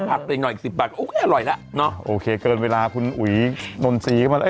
พักไปหน่อยอีก๑๐บาทโอเคอร่อยแล้วโอเคเกินเวลาคุณอุ๋ยนมซีเข้ามา